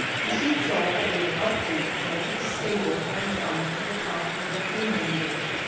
He soon saw what we were up to, fled to the stable, and climbed to the top of the hay manger.